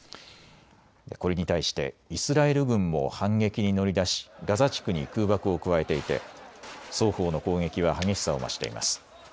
これに対してイスラエル軍も反撃に乗り出しガザ地区に空爆を加えていて双方の攻撃は激しさを増しています。